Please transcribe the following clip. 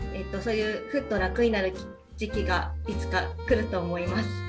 そういうふっと楽になる時期がいつか来ると思います。